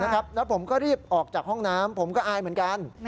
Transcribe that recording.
แล้วผมก็รีบออกจากห้องน้ำผมก็อายเหมือนกัน